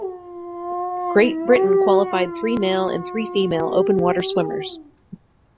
Great Britain qualified three male and three female open water swimmers.